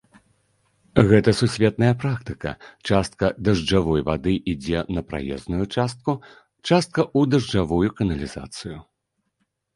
Гэта сусветная практыка, частка дажджавой вады ідзе на праезную частку, частка ў дажджавую каналізацыю.